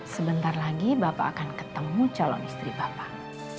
sebentar lagi bapak akan ketemu calon istri bapak